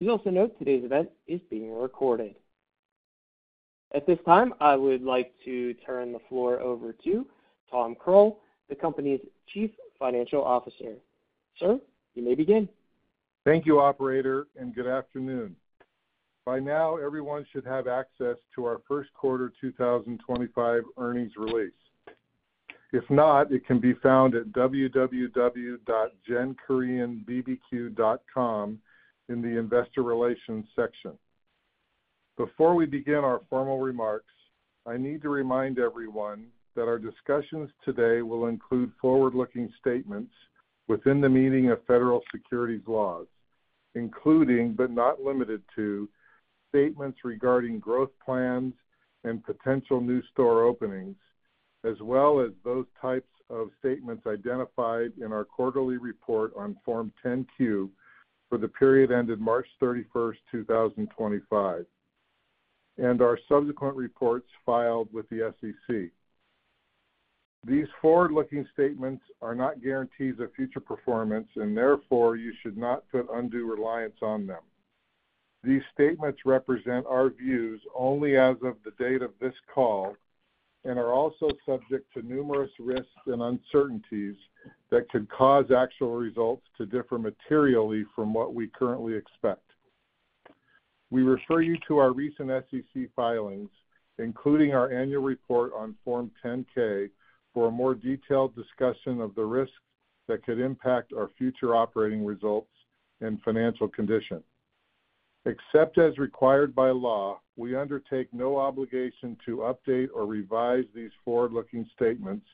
We also note today's event is being recorded. At this time, I would like to turn the floor over to Tom Croal, the company's Chief Financial Officer. Sir, you may begin. Thank you, Operator, and good afternoon. By now, everyone should have access to our first quarter 2025 earnings release. If not, it can be found at www.genkoreanbbq.com in the Investor Relations section. Before we begin our formal remarks, I need to remind everyone that our discussions today will include forward-looking statements within the meaning of federal securities laws, including but not limited to statements regarding growth plans and potential new store openings, as well as those types of statements identified in our quarterly report on Form 10-Q for the period ended March 31, 2025, and our subsequent reports filed with the SEC. These forward-looking statements are not guarantees of future performance, and therefore you should not put undue reliance on them. These statements represent our views only as of the date of this call and are also subject to numerous risks and uncertainties that could cause actual results to differ materially from what we currently expect. We refer you to our recent SEC filings, including our annual report on Form 10-K, for a more detailed discussion of the risks that could impact our future operating results and financial condition. Except as required by law, we undertake no obligation to update or revise these forward-looking statements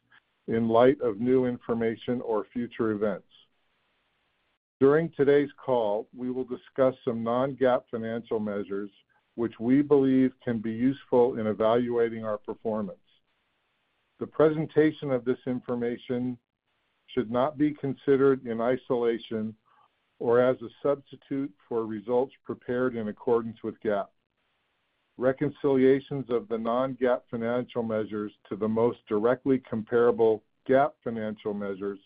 in light of new information or future events. During today's call, we will discuss some non-GAAP financial measures which we believe can be useful in evaluating our performance. The presentation of this information should not be considered in isolation or as a substitute for results prepared in accordance with GAAP. Reconciliations of the non-GAAP financial measures to the most directly comparable GAAP financial measures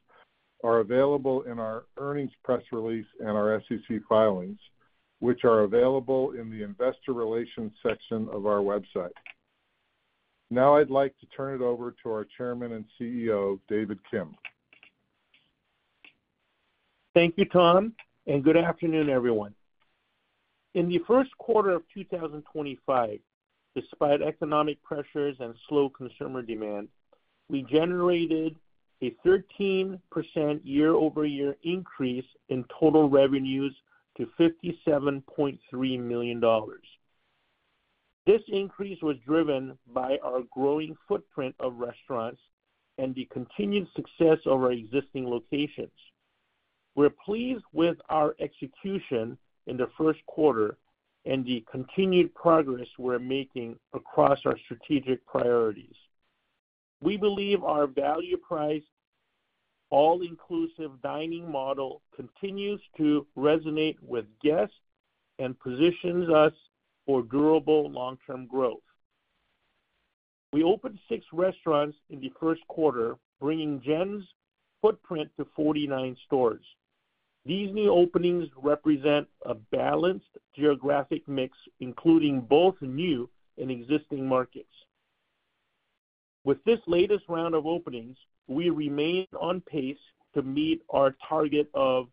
are available in our earnings press release and our SEC filings, which are available in the Investor Relations section of our website. Now I'd like to turn it over to our Chairman and CEO, David Kim. Thank you, Tom, and good afternoon, everyone. In the first quarter of 2025, despite economic pressures and slow consumer demand, we generated a 13% year-over-year increase in total revenues to $57.3 million. This increase was driven by our growing footprint of restaurants and the continued success of our existing locations. We're pleased with our execution in the first quarter and the continued progress we're making across our strategic priorities. We believe our value-priced all-inclusive dining model continues to resonate with guests and positions us for durable long-term growth. We opened six restaurants in the first quarter, bringing GEN's footprint to 49 stores. These new openings represent a balanced geographic mix, including both new and existing markets. With this latest round of openings, we remain on pace to meet our target of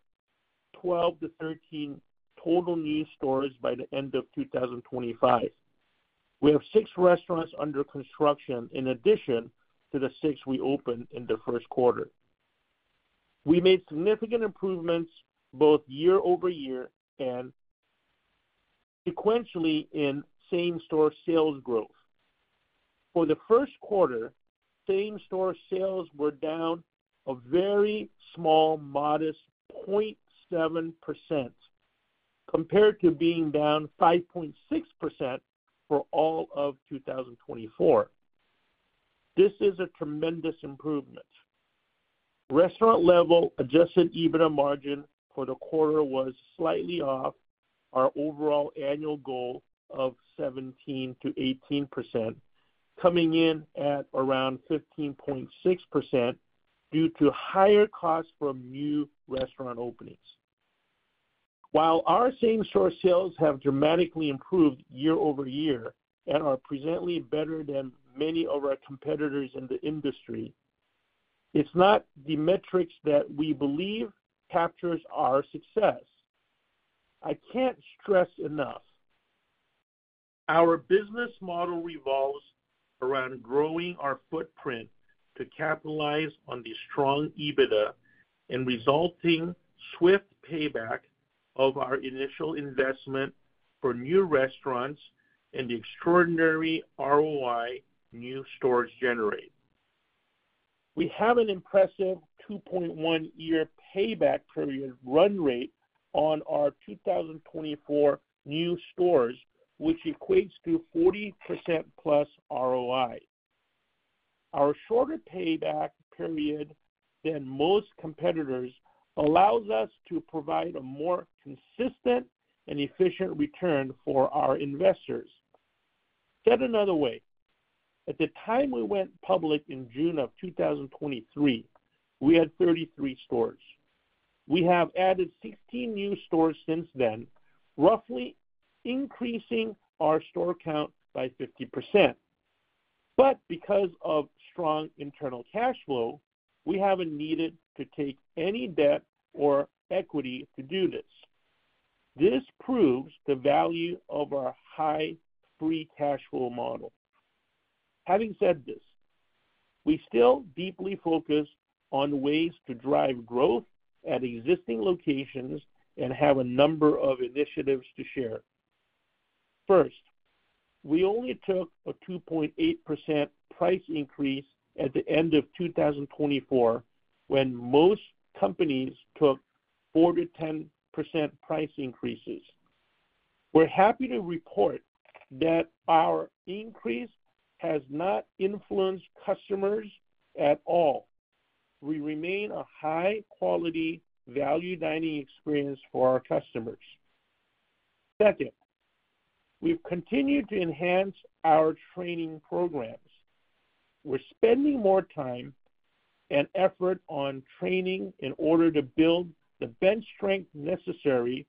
12-13 total new stores by the end of 2025. We have six restaurants under construction in addition to the six we opened in the first quarter. We made significant improvements both year-over-year and sequentially in same-store sales growth. For the first quarter, same-store sales were down a very small, modest 0.7% compared to being down 5.6% for all of 2024. This is a tremendous improvement. Restaurant-level adjusted EBITDA margin for the quarter was slightly off our overall annual goal of 17-18%, coming in at around 15.6% due to higher costs from new restaurant openings. While our same-store sales have dramatically improved year-over-year and are presently better than many of our competitors in the industry, it's not the metrics that we believe capture our success. I can't stress enough, our business model revolves around growing our footprint to capitalize on the strong EBITDA and resulting swift payback of our initial investment for new restaurants and the extraordinary ROI new stores generate. We have an impressive 2.1-year payback period run rate on our 2024 new stores, which equates to 40%+ ROI. Our shorter payback period than most competitors allows us to provide a more consistent and efficient return for our investors. Said another way, at the time we went public in June of 2023, we had 33 stores. We have added 16 new stores since then, roughly increasing our store count by 50%. Because of strong internal cash flow, we haven't needed to take any debt or equity to do this. This proves the value of our high free cash flow model. Having said this, we still deeply focus on ways to drive growth at existing locations and have a number of initiatives to share. First, we only took a 2.8% price increase at the end of 2024 when most companies took 4%-10% price increases. We're happy to report that our increase has not influenced customers at all. We remain a high-quality value dining experience for our customers. Second, we've continued to enhance our training programs. We're spending more time and effort on training in order to build the bench strength necessary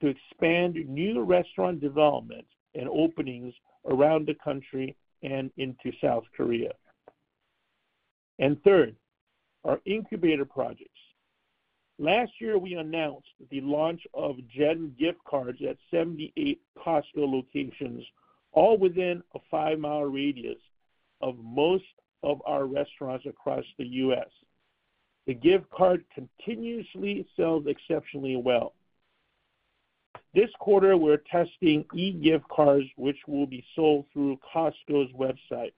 to expand new restaurant developments and openings around the country and into South Korea. Third, our incubator projects. Last year, we announced the launch of GEN gift cards at 78 Costco locations, all within a five-mile radius of most of our restaurants across the U.S. The gift card continuously sells exceptionally well. This quarter, we're testing e-gift cards, which will be sold through Costco's website.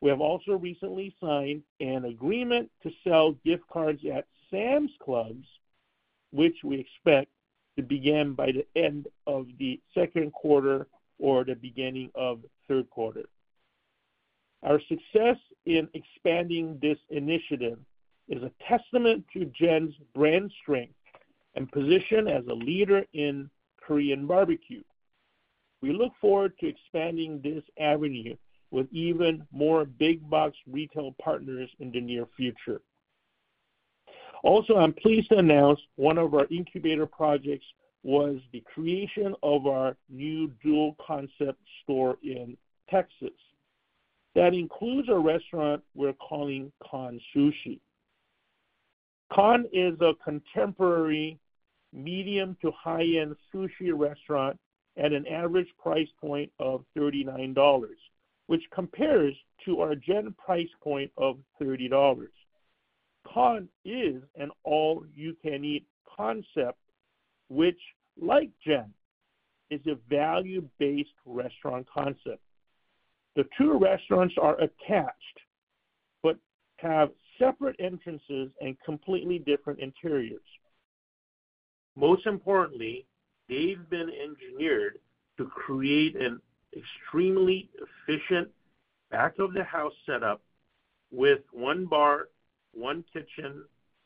We have also recently signed an agreement to sell gift cards at Sam's Club, which we expect to begin by the end of the second quarter or the beginning of the third quarter. Our success in expanding this initiative is a testament to GEN's brand strength and position as a leader in Korean barbecue. We look forward to expanding this avenue with even more big-box retail partners in the near future. Also, I'm pleased to announce one of our incubator projects was the creation of our new dual-concept store in Texas. That includes a restaurant we're calling Khan Sushi. Khan is a contemporary medium to high-end sushi restaurant at an average price point of $39, which compares to our GEN price point of $30. Khan is an all-you-can-eat concept, which, like GEN, is a value-based restaurant concept. The two restaurants are attached but have separate entrances and completely different interiors. Most importantly, they've been engineered to create an extremely efficient back-of-the-house setup with one bar, one kitchen,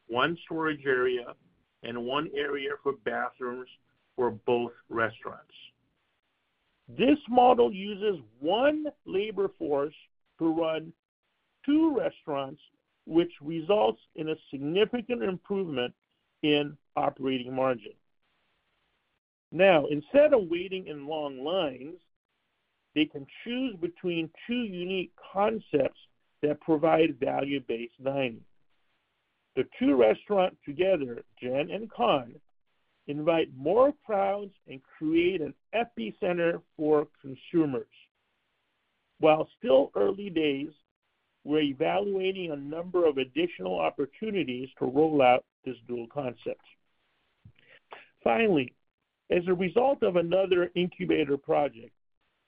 one storage area, and one area for bathrooms for both restaurants. This model uses one labor force to run two restaurants, which results in a significant improvement in operating margin. Now, instead of waiting in long lines, they can choose between two unique concepts that provide value-based dining. The two restaurants together, GEN and Khan, invite more crowds and create an epicenter for consumers. While still early days, we're evaluating a number of additional opportunities to roll out this dual concept. Finally, as a result of another incubator project,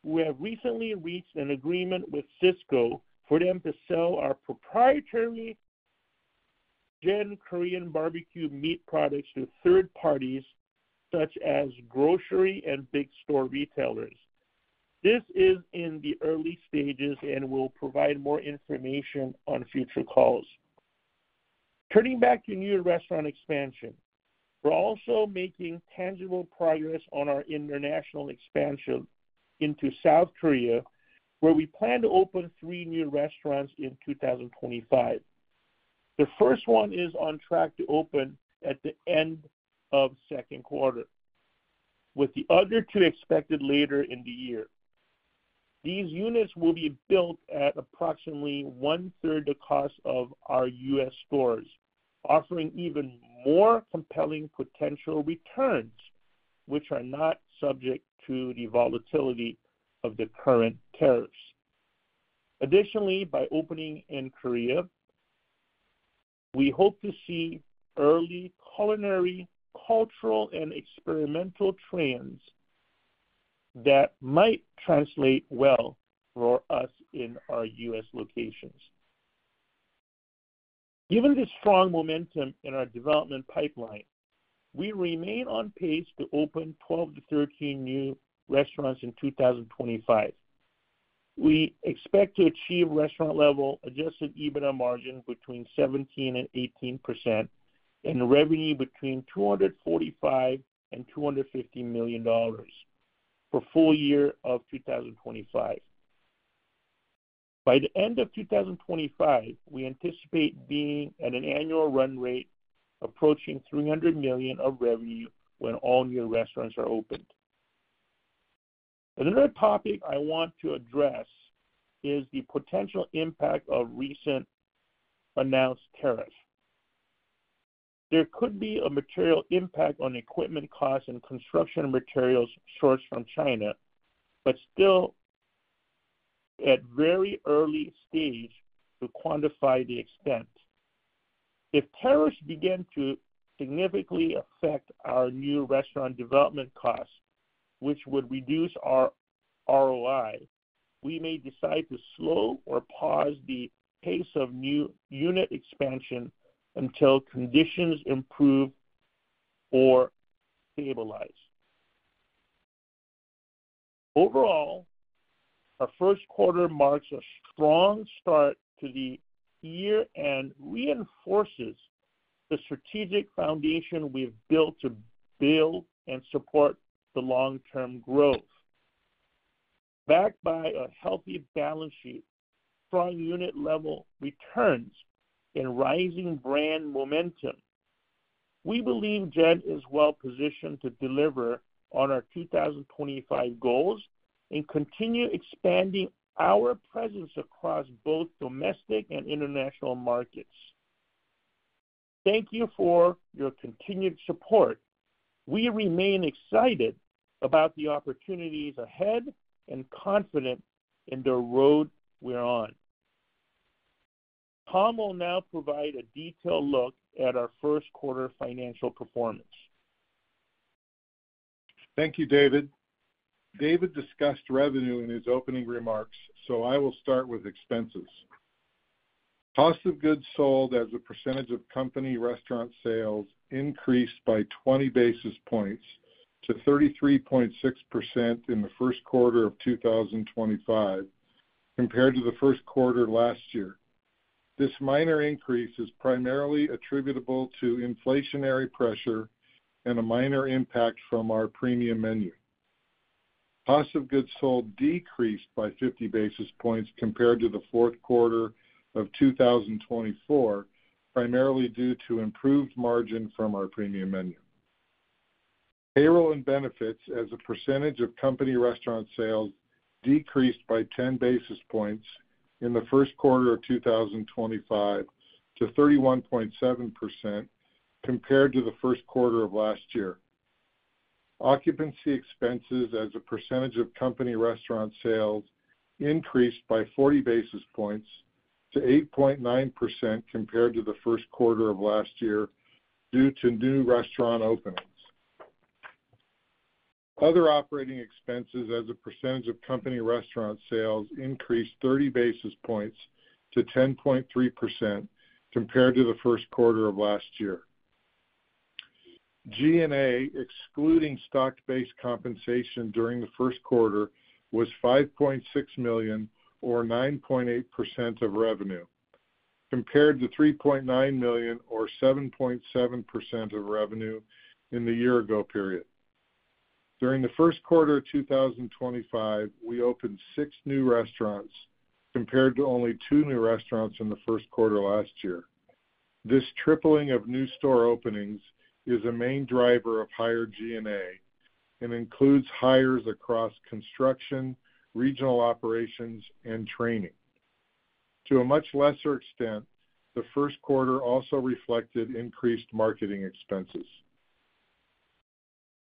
we have recently reached an agreement with Sysco for them to sell our proprietary GEN Korean BBQ meat products to third parties such as grocery and big store retailers. This is in the early stages and will provide more information on future calls. Turning back to new restaurant expansion, we're also making tangible progress on our international expansion into South Korea, where we plan to open three new restaurants in 2025. The first one is on track to open at the end of the second quarter, with the other two expected later in the year. These units will be built at approximately one-third the cost of our U.S. stores, offering even more compelling potential returns, which are not subject to the volatility of the current tariffs. Additionally, by opening in Korea, we hope to see early culinary, cultural, and experimental trends that might translate well for us in our U.S. locations. Given the strong momentum in our development pipeline, we remain on pace to open 12-13 new restaurants in 2025. We expect to achieve restaurant-level adjusted EBITDA margin between 17% and 18% and revenue between $245 million and $250 million for the full year of 2025. By the end of 2025, we anticipate being at an annual run rate approaching $300 million of revenue when all new restaurants are opened. Another topic I want to address is the potential impact of recent announced tariffs. There could be a material impact on equipment costs and construction materials sourced from China, but still at very early stage to quantify the extent. If tariffs begin to significantly affect our new restaurant development costs, which would reduce our ROI, we may decide to slow or pause the pace of new unit expansion until conditions improve or stabilize. Overall, our first quarter marks a strong start to the year and reinforces the strategic foundation we've built to build and support the long-term growth. Backed by a healthy balance sheet, strong unit-level returns, and rising brand momentum, we believe GEN is well-positioned to deliver on our 2025 goals and continue expanding our presence across both domestic and international markets. Thank you for your continued support. We remain excited about the opportunities ahead and confident in the road we're on. Tom will now provide a detailed look at our first quarter financial performance. Thank you, David. David discussed revenue in his opening remarks, so I will start with expenses. Cost of goods sold as a percentage of company restaurant sales increased by 20 basis points to 33.6% in the first quarter of 2025, compared to the first quarter last year. This minor increase is primarily attributable to inflationary pressure and a minor impact from our premium menu. Cost of goods sold decreased by 50 basis points compared to the fourth quarter of 2024, primarily due to improved margin from our premium menu. Payroll and benefits as a percentage of company restaurant sales decreased by 10 basis points in the first quarter of 2025 to 31.7% compared to the first quarter of last year. Occupancy expenses as a percentage of company restaurant sales increased by 40 basis points to 8.9% compared to the first quarter of last year due to new restaurant openings. Other operating expenses as a percentage of company restaurant sales increased 30 basis points to 10.3% compared to the first quarter of last year. G&A excluding stock-based compensation during the first quarter was $5.6 million or 9.8% of revenue, compared to $3.9 million or 7.7% of revenue in the year-ago period. During the first quarter of 2025, we opened six new restaurants compared to only two new restaurants in the first quarter last year. This tripling of new store openings is a main driver of higher G&A and includes hires across construction, regional operations, and training. To a much lesser extent, the first quarter also reflected increased marketing expenses.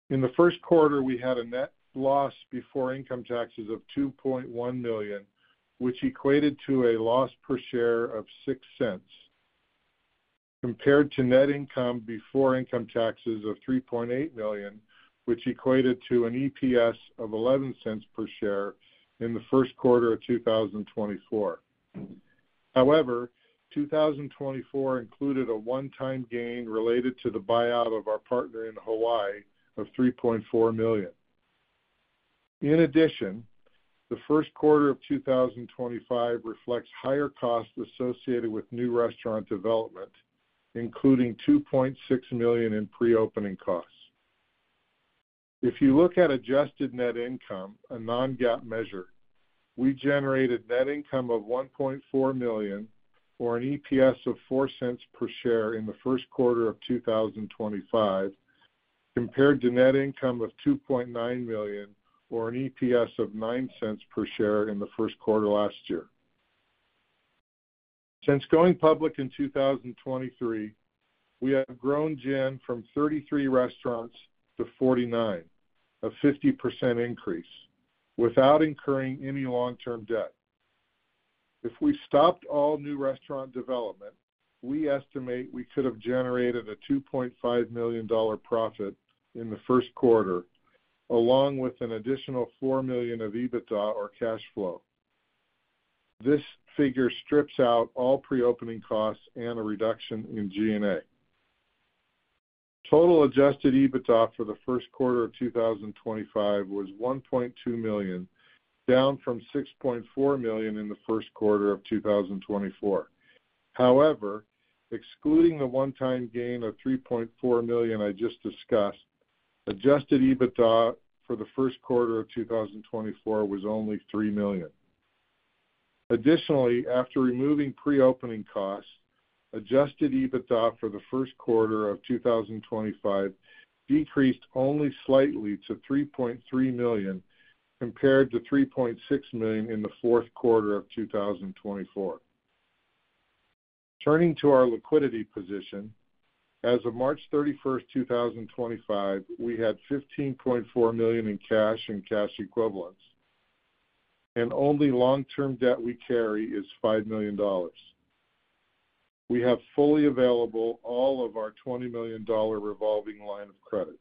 In the first quarter, we had a net loss before income taxes of $2.1 million, which equated to a loss per share of $0.06, compared to net income before income taxes of $3.8 million, which equated to an EPS of $0.11 per share in the first quarter of 2024. However, 2024 included a one-time gain related to the buyout of our partner in Hawaii of $3.4 million. In addition, the first quarter of 2025 reflects higher costs associated with new restaurant development, including $2.6 million in pre-opening costs. If you look at adjusted net income, a non-GAAP measure, we generated net income of $1.4 million or an EPS of $0.04 per share in the first quarter of 2025, compared to net income of $2.9 million or an EPS of $0.09 per share in the first quarter last year. Since going public in 2023, we have grown GEN from 33 restaurants to 49, a 50% increase, without incurring any long-term debt. If we stopped all new restaurant development, we estimate we could have generated a $2.5 million profit in the first quarter, along with an additional $4 million of EBITDA or cash flow. This figure strips out all pre-opening costs and a reduction in G&A. Total adjusted EBITDA for the first quarter of 2025 was $1.2 million, down from $6.4 million in the first quarter of 2024. However, excluding the one-time gain of $3.4 million I just discussed, adjusted EBITDA for the first quarter of 2024 was only $3 million. Additionally, after removing pre-opening costs, adjusted EBITDA for the first quarter of 2025 decreased only slightly to $3.3 million compared to $3.6 million in the fourth quarter of 2024. Turning to our liquidity position, as of March 31, 2025, we had $15.4 million in cash and cash equivalents, and the only long-term debt we carry is $5 million. We have fully available all of our $20 million revolving line of credit.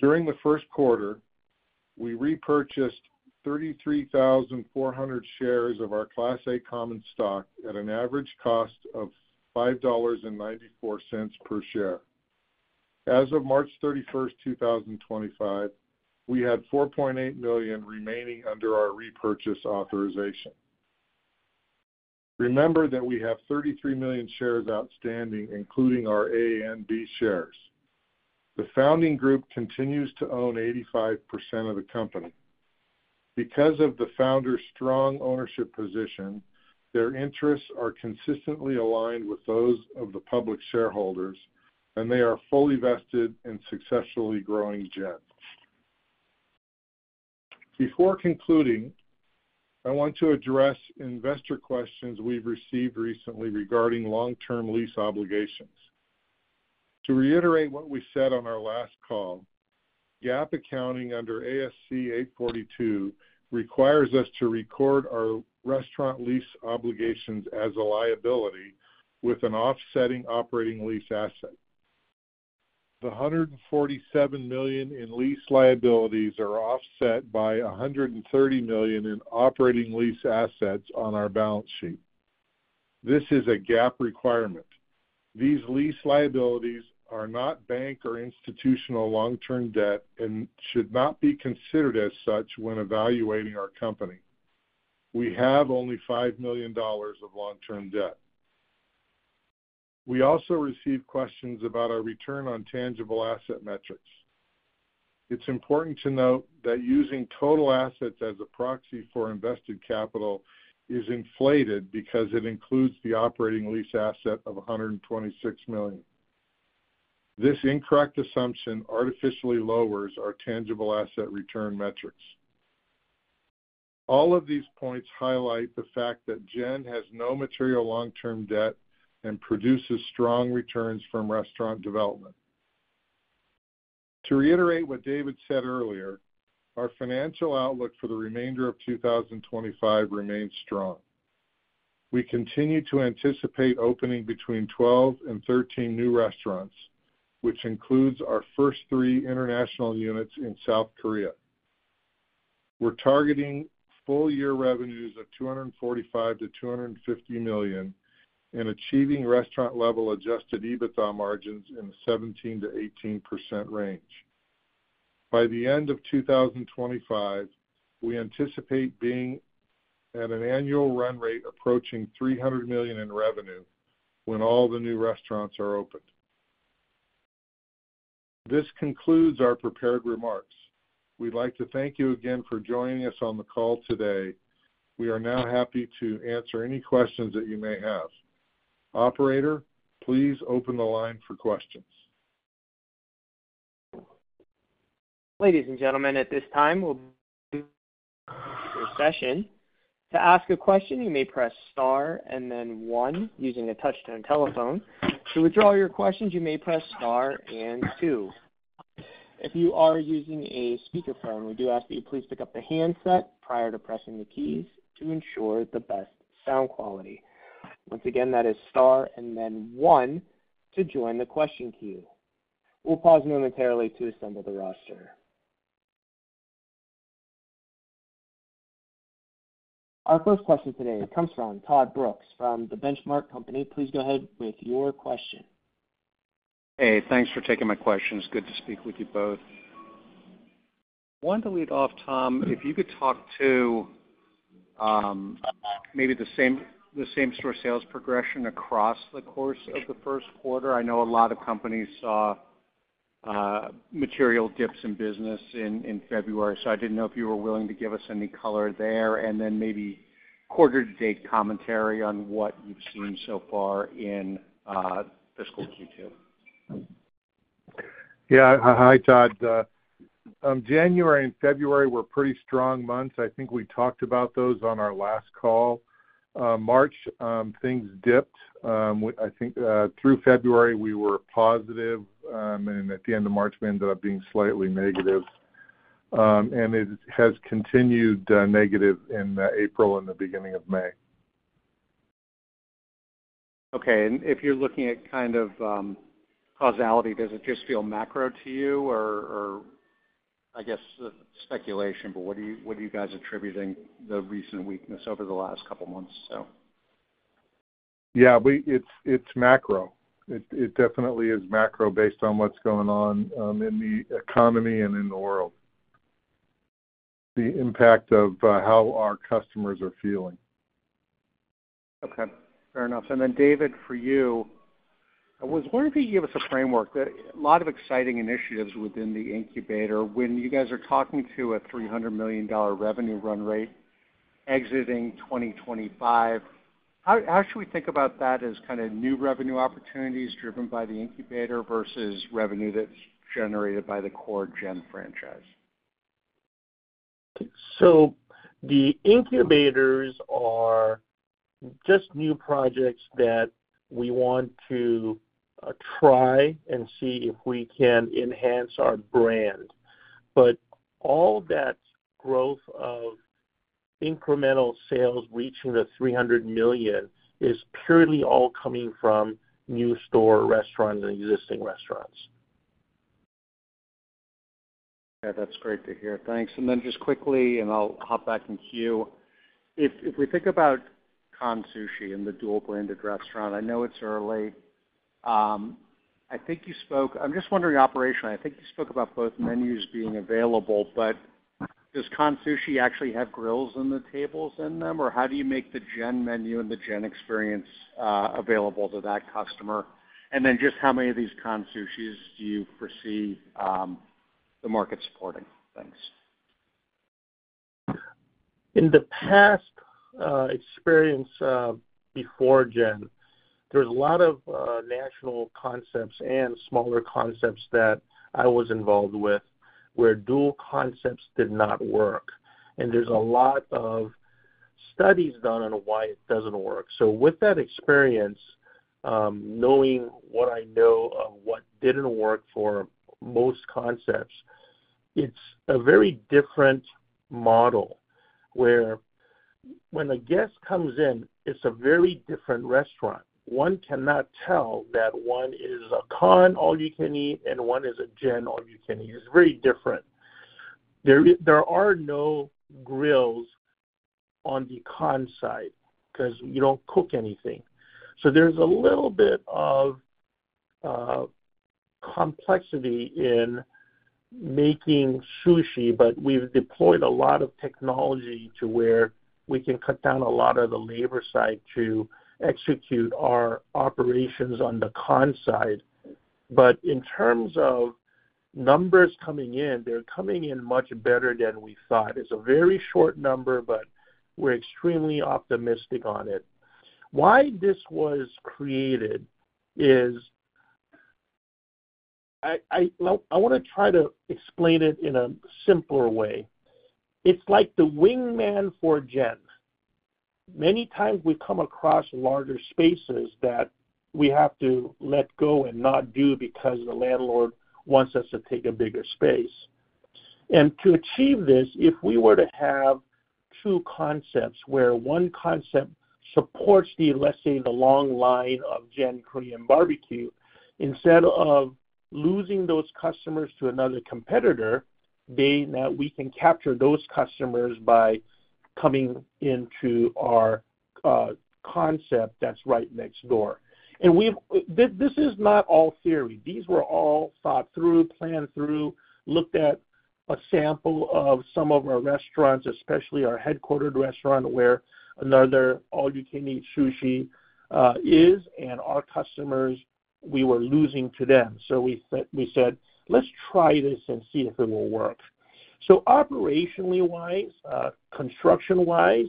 During the first quarter, we repurchased 33,400 shares of our Class A Common Stock at an average cost of $5.94 per share. As of March 31, 2025, we had $4.8 million remaining under our repurchase authorization. Remember that we have 33 million shares outstanding, including our A and B shares. The founding group continues to own 85% of the company. Because of the founder's strong ownership position, their interests are consistently aligned with those of the public shareholders, and they are fully vested in successfully growing GEN. Before concluding, I want to address investor questions we've received recently regarding long-term lease obligations. To reiterate what we said on our last call, GAAP accounting under ASC 842 requires us to record our restaurant lease obligations as a liability with an offsetting operating lease asset. The $147 million in lease liabilities are offset by $130 million in operating lease assets on our balance sheet. This is a GAAP requirement. These lease liabilities are not bank or institutional long-term debt and should not be considered as such when evaluating our company. We have only $5 million of long-term debt. We also received questions about our return on tangible asset metrics. It's important to note that using total assets as a proxy for invested capital is inflated because it includes the operating lease asset of $126 million. This incorrect assumption artificially lowers our tangible asset return metrics. All of these points highlight the fact that GEN has no material long-term debt and produces strong returns from restaurant development. To reiterate what David said earlier, our financial outlook for the remainder of 2025 remains strong. We continue to anticipate opening between 12 and 13 new restaurants, which includes our first three international units in South Korea. We're targeting full-year revenues of $245-$250 million and achieving restaurant-level adjusted EBITDA margins in the 17%-18% range. By the end of 2025, we anticipate being at an annual run rate approaching $300 million in revenue when all the new restaurants are opened. This concludes our prepared remarks. We'd like to thank you again for joining us on the call today. We are now happy to answer any questions that you may have. Operator, please open the line for questions. Ladies and gentlemen, at this time, we'll begin the session. To ask a question, you may press star and then one using a touch-tone telephone. To withdraw your questions, you may press star and two. If you are using a speakerphone, we do ask that you please pick up the handset prior to pressing the keys to ensure the best sound quality. Once again, that is star and then one to join the question queue. We'll pause momentarily to assemble the roster. Our first question today comes from Todd Brooks from The Benchmark Company. Please go ahead with your question. Hey, thanks for taking my questions. Good to speak with you both. Wanted to lead off, Tom, if you could talk to maybe the same-store sales progression across the course of the first quarter. I know a lot of companies saw material dips in business in February, so I didn't know if you were willing to give us any color there and then maybe quarter-to-date commentary on what you've seen so far in fiscal Q2? Yeah, hi, Todd. January and February were pretty strong months. I think we talked about those on our last call. March, things dipped. I think through February, we were positive, and at the end of March, we ended up being slightly negative. It has continued negative in April and the beginning of May. Okay. If you're looking at kind of causality, does it just feel macro to you or, I guess, speculation, but what are you guys attributing the recent weakness over the last couple of months or so? Yeah, it's macro. It definitely is macro based on what's going on in the economy and in the world, the impact of how our customers are feeling. Okay. Fair enough. David, for you, I was wondering if you could give us a framework. A lot of exciting initiatives within the incubator. When you guys are talking to a $300 million revenue run rate exiting 2025, how should we think about that as kind of new revenue opportunities driven by the incubator versus revenue that's generated by the core GEN franchise? The incubators are just new projects that we want to try and see if we can enhance our brand. All that growth of incremental sales reaching the $300 million is purely all coming from new store restaurants and existing restaurants. Okay. That's great to hear. Thanks. And then just quickly, and I'll hop back in queue. If we think about Khan Sushi and the dual-branded restaurant, I know it's early. I think you spoke—I'm just wondering operationally. I think you spoke about both menus being available, but does Khan Sushi actually have grills and the tables in them, or how do you make the GEN menu and the GEN experience available to that customer? And then just how many of these Khan Sushi do you foresee the market supporting? Thanks. In the past experience before GEN, there was a lot of national concepts and smaller concepts that I was involved with where dual concepts did not work. There are a lot of studies done on why it does not work. With that experience, knowing what I know of what did not work for most concepts, it is a very different model where when a guest comes in, it is a very different restaurant. One cannot tell that one is a Khan all-you-can-eat and one is a GEN all-you-can-eat. It is very different. There are no grills on the Khan side because you do not cook anything. There is a little bit of complexity in making sushi, but we have deployed a lot of technology to where we can cut down a lot of the labor side to execute our operations on the Khan side. In terms of numbers coming in, they're coming in much better than we thought. It's a very short number, but we're extremely optimistic on it. Why this was created is I want to try to explain it in a simpler way. It's like the wingman for GEN. Many times we come across larger spaces that we have to let go and not do because the landlord wants us to take a bigger space. To achieve this, if we were to have two concepts where one concept supports the, let's say, the long line of GEN Korean BBQ, instead of losing those customers to another competitor, we can capture those customers by coming into our concept that's right next door. This is not all theory. These were all thought through, planned through, looked at a sample of some of our restaurants, especially our headquartered restaurant where another all-you-can-eat sushi is, and our customers, we were losing to them. We said, "Let's try this and see if it will work." Operationally-wise, construction-wise,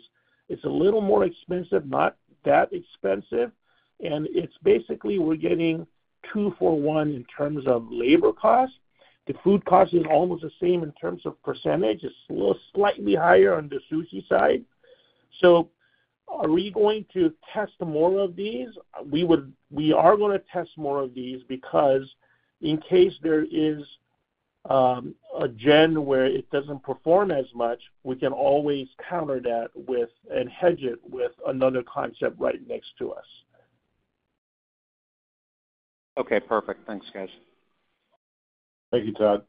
it is a little more expensive, not that expensive. It is basically we are getting two for one in terms of labor cost. The food cost is almost the same in terms of percentage. It is slightly higher on the sushi side. Are we going to test more of these? We are going to test more of these because in case there is a GEN where it does not perform as much, we can always counter that and hedge it with another concept right next to us. Okay. Perfect. Thanks, guys. Thank you, Todd.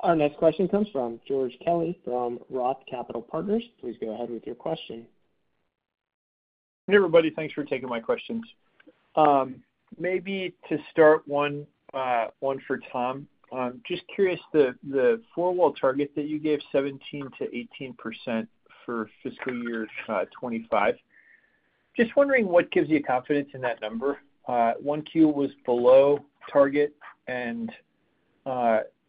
Our next question comes from George Kelly from ROTH Capital Partners. Please go ahead with your question. Hey, everybody. Thanks for taking my questions. Maybe to start, one for Tom. Just curious, the four-wall target that you gave, 17%-18% for fiscal year 2025, just wondering what gives you confidence in that number? Q1 was below target, and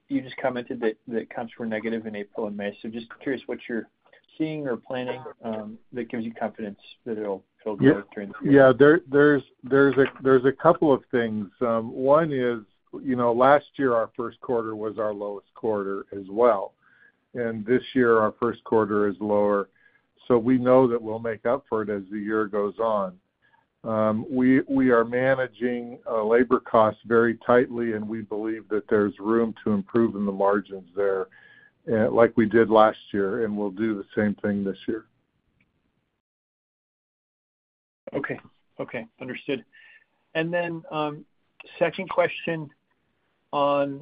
you just commented that comps were negative in April and May. Just curious what you're seeing or planning that gives you confidence that it'll grow during the year. Yeah. There's a couple of things. One is last year, our first quarter was our lowest quarter as well. This year, our first quarter is lower. We know that we'll make up for it as the year goes on. We are managing labor costs very tightly, and we believe that there's room to improve in the margins there like we did last year, and we'll do the same thing this year. Okay. Okay. Understood. Then second question on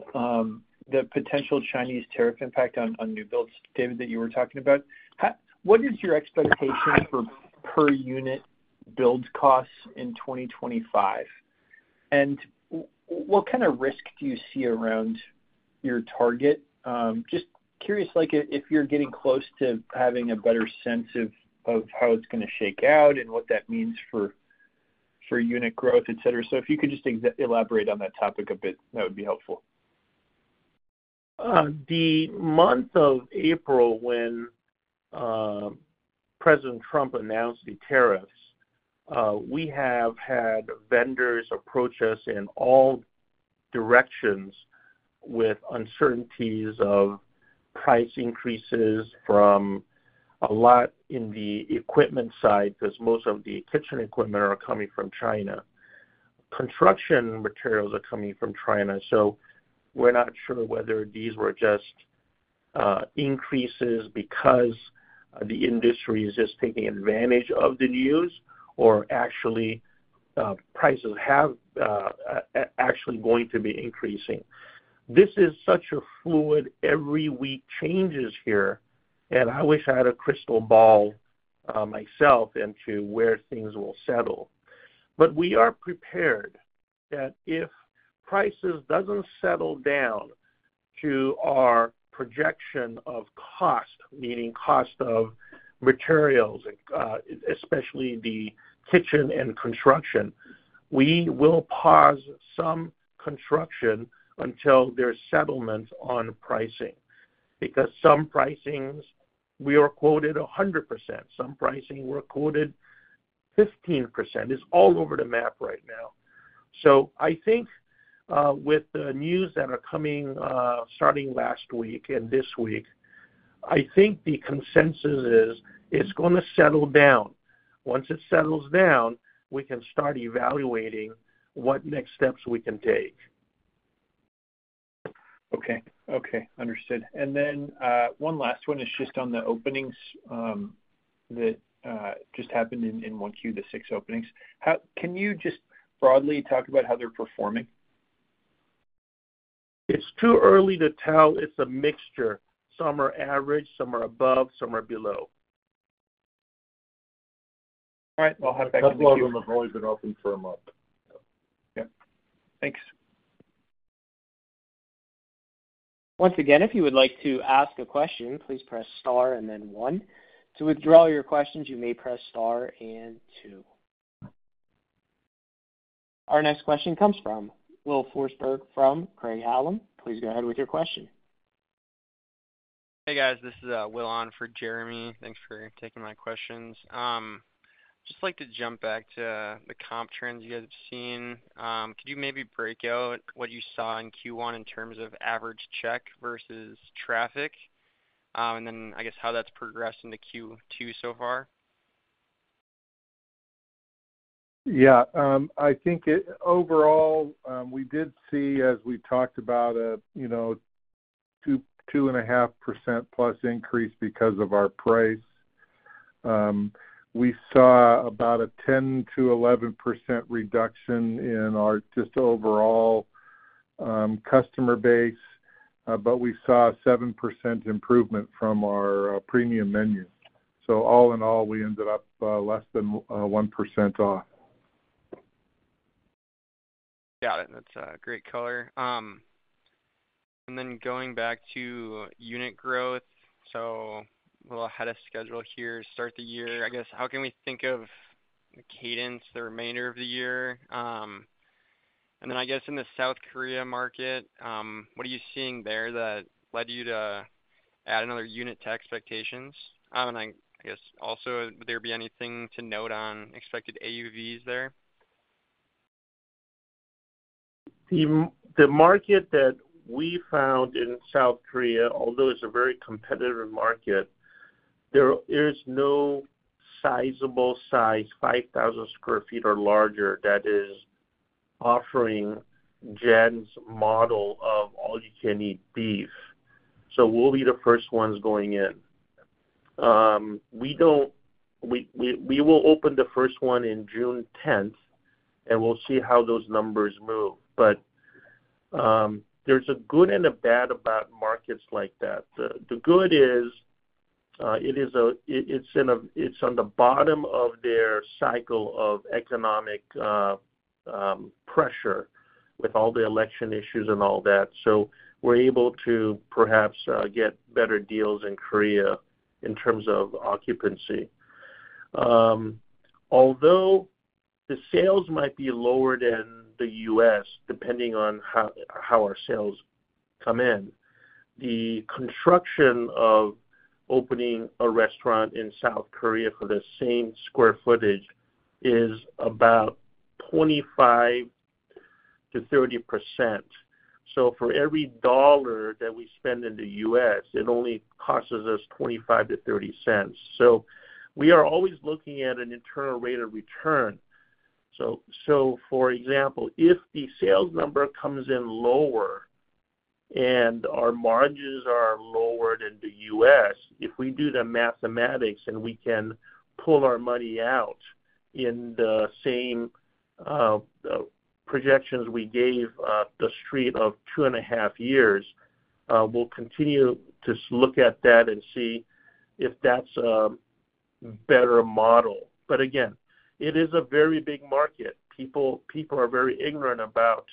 the potential Chinese tariff impact on new builds, David, that you were talking about. What is your expectation for per-unit build costs in 2025? What kind of risk do you see around your target? Just curious if you're getting close to having a better sense of how it's going to shake out and what that means for unit growth, etc. If you could just elaborate on that topic a bit, that would be helpful. The month of April, when President Trump announced the tariffs, we have had vendors approach us in all directions with uncertainties of price increases from a lot in the equipment side because most of the kitchen equipment are coming from China. Construction materials are coming from China. We are not sure whether these were just increases because the industry is just taking advantage of the news or actually prices are actually going to be increasing. This is such a fluid, every-week changes here, and I wish I had a crystal ball myself into where things will settle. We are prepared that if prices do not settle down to our projection of cost, meaning cost of materials, especially the kitchen and construction, we will pause some construction until there is settlement on pricing because some pricings we are quoted 100%. Some pricing we are quoted 15%. It is all over the map right now. I think with the news that are coming starting last week and this week, I think the consensus is it's going to settle down. Once it settles down, we can start evaluating what next steps we can take. Okay. Okay. Understood. And then one last one is just on the openings that just happened in Q1, the six openings. Can you just broadly talk about how they're performing? It's too early to tell. It's a mixture. Some are average, some are above, some are below. All right. I'll have to. Most of them have already been open for a month. Yep. Thanks. Once again, if you would like to ask a question, please press star and then one. To withdraw your questions, you may press star and two. Our next question comes from Will Forsberg from Craig-Hallum. Please go ahead with your question. Hey, guys. This is Will on for Jeremy. Thanks for taking my questions. Just like to jump back to the comp trends you guys have seen. Could you maybe break out what you saw in Q1 in terms of average check versus traffic, and then I guess how that's progressed into Q2 so far? Yeah. I think overall, we did see, as we talked about, a 2.5% plus increase because of our price. We saw about a 10%-11% reduction in our just overall customer base, but we saw a 7% improvement from our premium menu. All in all, we ended up less than 1% off. Got it. That's a great color. Going back to unit growth, so a little ahead of schedule here, start the year, I guess, how can we think of the cadence, the remainder of the year? I guess in the South Korea market, what are you seeing there that led you to add another unit to expectations? I guess also, would there be anything to note on expected AUVs there? The market that we found in South Korea, although it's a very competitive market, there is no sizable size 5,000 sq ft or larger that is offering GEN's model of all-you-can-eat beef. We will be the first ones going in. We will open the first one on June 10th, and we'll see how those numbers move. There is a good and a bad about markets like that. The good is it's on the bottom of their cycle of economic pressure with all the election issues and all that. We are able to perhaps get better deals in Korea in terms of occupancy. Although the sales might be lower than the U.S., depending on how our sales come in, the construction of opening a restaurant in South Korea for the same square footage is about 25%-30%. For every dollar that we spend in the U.S., it only costs us $0.25-$0.30. We are always looking at an internal rate of return. For example, if the sales number comes in lower and our margins are lower than the U.S., if we do the mathematics and we can pull our money out in the same projections we gave the street of two and a half years, we will continue to look at that and see if that is a better model. Again, it is a very big market. People are very ignorant about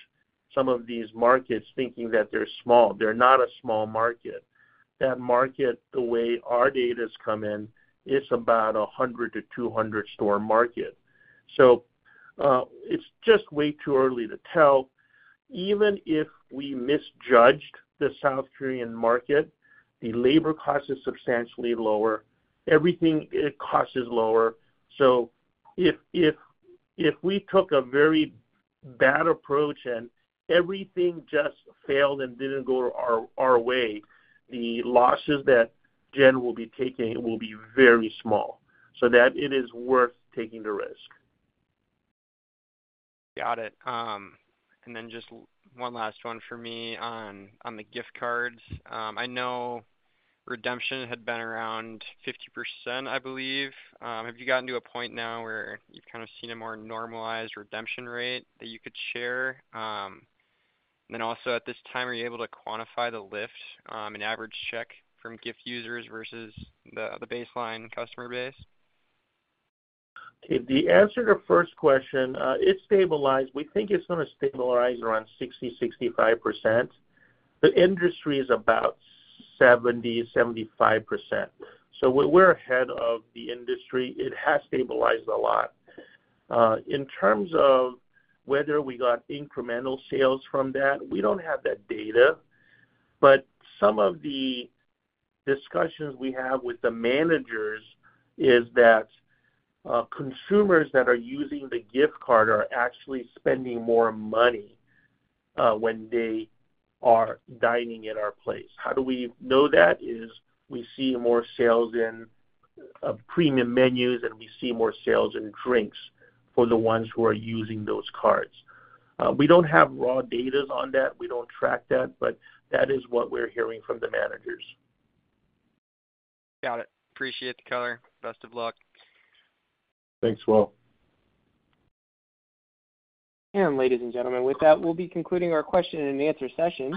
some of these markets, thinking that they are small. They are not a small market. That market, the way our data has come in, is about a 100-200 store market. It is just way too early to tell. Even if we misjudged the South Korean market, the labor cost is substantially lower. Everything cost is lower. If we took a very bad approach and everything just failed and did not go our way, the losses that GEN will be taking will be very small. That is worth taking the risk. Got it. And then just one last one for me on the gift cards. I know redemption had been around 50%, I believe. Have you gotten to a point now where you've kind of seen a more normalized redemption rate that you could share? And then also at this time, are you able to quantify the lift in average check from gift users versus the baseline customer base? The answer to the first question, it stabilized. We think it's going to stabilize around 60%-65%. The industry is about 70%-75%. So we're ahead of the industry. It has stabilized a lot. In terms of whether we got incremental sales from that, we don't have that data. But some of the discussions we have with the managers is that consumers that are using the gift card are actually spending more money when they are dining at our place. How do we know that? We see more sales in premium menus, and we see more sales in drinks for the ones who are using those cards. We don't have raw data on that. We don't track that, but that is what we're hearing from the managers. Got it. Appreciate the color. Best of luck. Thanks, Will. Ladies and gentlemen, with that, we'll be concluding our question-and-answer session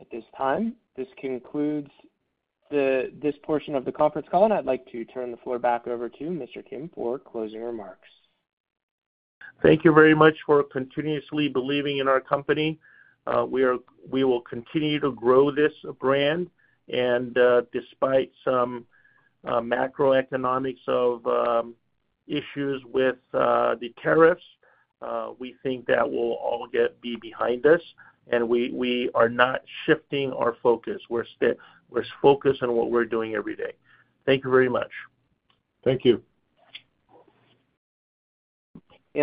at this time. This concludes this portion of the conference call, and I'd like to turn the floor back over to Mr. Kim for closing remarks. Thank you very much for continuously believing in our company. We will continue to grow this brand. Despite some macroeconomic issues with the tariffs, we think that will all be behind us. We are not shifting our focus. We're focused on what we're doing every day. Thank you very much. Thank you.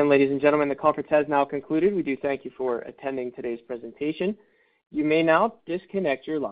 Ladies and gentlemen, the conference has now concluded. We do thank you for attending today's presentation. You may now disconnect your line.